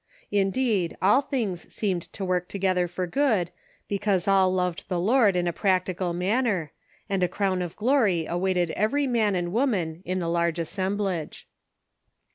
Indeed, all things seemed to work together for good, be cause all loved the Lord in a practical manner, and a THE CONSPIRATOES AND LOVEES. 389 crown of glory awaited every man and woman in the large assemblage.